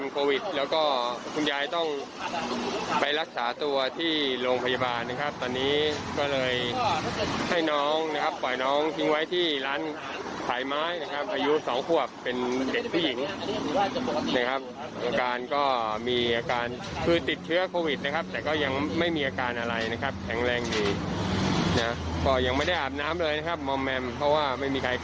ก็ยังไม่ได้อาบน้ำเลยนะครับมมแมมเพราะว่าไม่มีใครกล้าอาบให้